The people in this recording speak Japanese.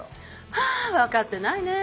はあ分かってないねえ。